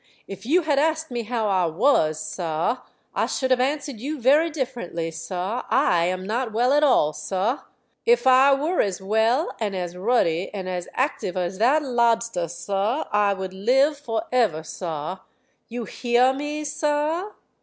If you had asked me how I was, sah, I should have answered you very differently, sah. I am not well at all, sah. If I were as well, and as ruddy, and as active as that lobster, sah, I would live forever, sah. You heah me, sah?